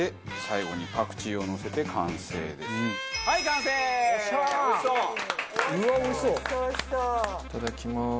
いただきます。